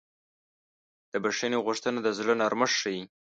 د بښنې غوښتنه د زړه نرمښت ښیي.